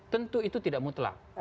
tentu itu tidak mutlak